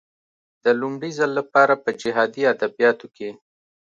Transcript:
د لومړي ځل لپاره په جهادي ادبياتو کې.